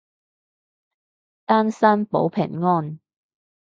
單身保平安